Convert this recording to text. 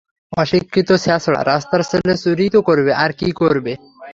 অশিক্ষিত, ছ্যাছড়া, রাস্তার ছেলে, চুরিই তো করবে, আর কী করবে?